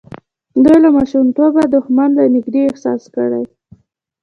دوی له ماشومتوبه دښمن له نږدې احساس کړی.